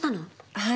はい。